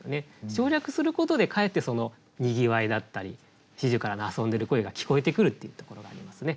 省略することでかえってそのにぎわいだったり四十雀の遊んでる声が聞こえてくるっていうところがありますね。